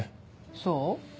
そう？